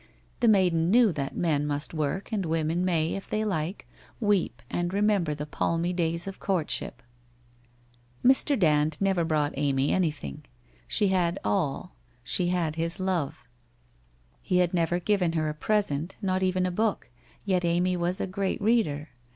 The maiden knew that men must work and women may, if they like, weep, and remember the palmy days of courtship ! Mr. Dand never brought Amy anything. She had all — she had his love. He had never given her a present, not even a book, yet Amy was a great reader.